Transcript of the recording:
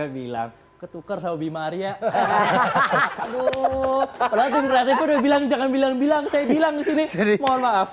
bilang ketuker sobi maria hahaha